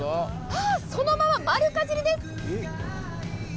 そのまま、丸かじりです。